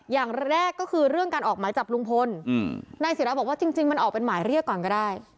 อย่างแรกก็คือเรื่องการออกหมายจับลุงพลนายศิราบอกว่าจริงมันออกเป็นหมายเรียกก่อนก็ได้